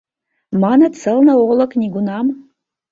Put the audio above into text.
Маныт, сылне олык нигунам